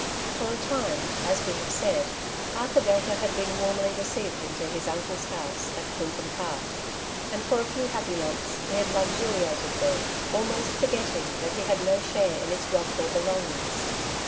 For a time, as we have said, Arthur Delta had been warmly received into his uncle's house at Clinton Park, and for a few happy months he had luxuriated there, almost forgetting that he had Castles in the Air, 27 no share in its wealth or belongings.